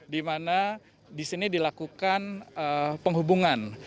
di mana di sini dilakukan penghubungan